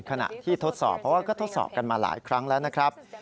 ขณะที่ทดสอบเพราะว่าก็ทดสอบกันมาหลายครั้งแล้วนะครับ